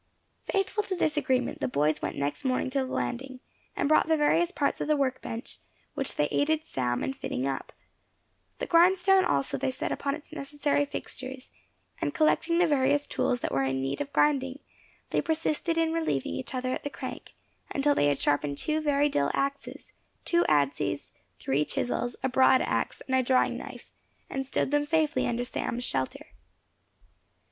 Faithful to this agreement, the boys went next morning to the landing, and brought the various parts of the work bench, which they aided Sam in fitting up. The grindstone also they set upon its necessary fixtures; and collecting the various tools that were in need of grinding, they persisted in relieving each other at the crank, until they had sharpened two very dull axes, two adzes, three chisels, a broad ax, and a drawing knife, and stowed them safely under Sam's shelter.